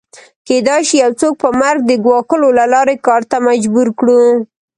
کېدای شي یو څوک په مرګ د ګواښلو له لارې کار ته مجبور کړو